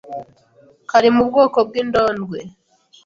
kari mu bwoko bw'indondwe